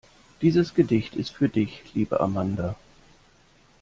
Dieses Gedicht ist für dich, liebe Amanda.